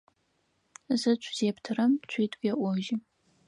Зыцу зэптырэм цуитӏу еӏожьы.